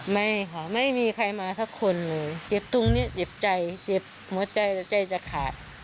ไม่ค่ะไม่มีใครมาสักคนเลยเจ็บตรงนี้เจ็บใจเจ็บหัวใจแต่ใจจะขาด